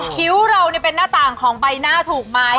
คิ้วเราเป็นหน้าต่างของใบหน้าถูกไหม